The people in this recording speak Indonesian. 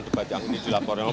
debat yang ini dilaporkan